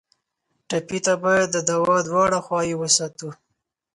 ټپي ته باید د دوا دواړه خواوې وساتو.